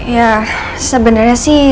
ya sebenernya sih